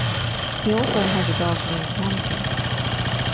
He also has a dog named Monty.